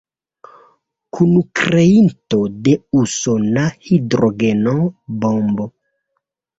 Kunkreinto de usona hidrogena bombo.